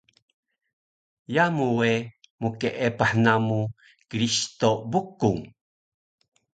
Yamu we mqeepah namu Kiristo Bukung